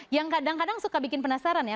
yang kadang kadang suka bikin penasaran ya